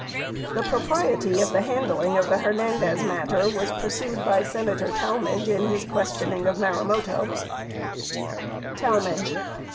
51 The propriety of the handling of the Hernandez matter was pur sued by Senator Talmadge in his questioning of Marumoto: Talmadge.